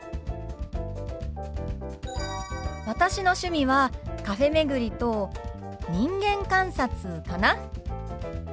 私の趣味はカフェ巡りと人間観察かな。